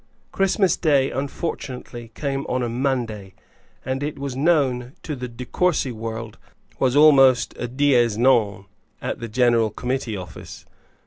Christmas Day unfortunately came on a Monday, and it was known to the De Courcy world that Saturday was almost a dies non at the General Committee Office.